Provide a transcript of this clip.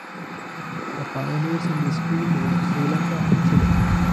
The pioneers in this field were Sri Lanka and Chile.